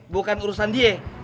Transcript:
bukan urusan dia